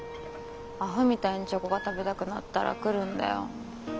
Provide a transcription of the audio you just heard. アホみたいにチョコが食べたくなったら来るんだよ。